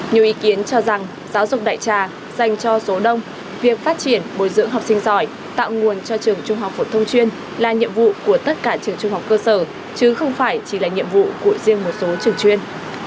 nhiều ý kiến cho rằng giáo dục đại trà dành cho số đông việc phát triển bồi dưỡng học sinh giỏi tạo nguồn cho trường trung học phổ thông chuyên là nhiệm vụ của tất cả trường trung học cơ sở chứ không phải chỉ là nhiệm vụ của riêng một số trường chuyên